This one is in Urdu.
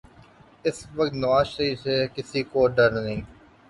اس وقت نواز شریف سے کسی کو ڈر نہیں۔